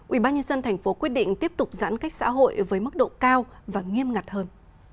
ubnd thành phố quyết định tiếp tục giãn cách xã hội với mức độ cao và nghiêm ngặt hơn